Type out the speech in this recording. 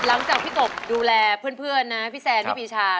หลังจากพี่กบดูแลเพื่อนนะพี่แซนพี่ปีชา